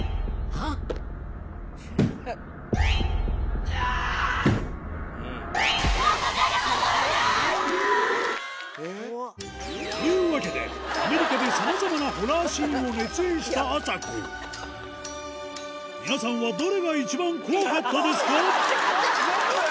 あぁ！というわけでアメリカでさまざまなホラーシーンを熱演したあさこ皆さんはどれが一番怖かったですか？